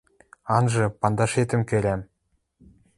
Анжы, пандашетӹм кӹрӓм.